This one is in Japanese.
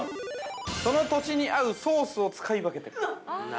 その土地に合うソースを使い分けている。